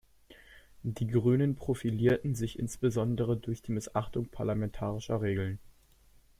Die Grünen profilierten sich insbesondere durch die Missachtung parlamentarischer Regeln.